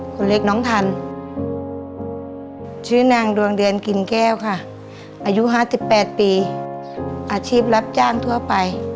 คนเล็กน้องทันชื่อนางดวงเดือนกินแก้วค่ะอายุ๕๘ปีอาชีพรับจ้างทั่วไป